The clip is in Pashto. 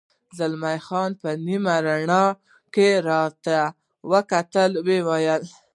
زلمی خان په نیمه رڼا کې راته وکتل، ویې ویل.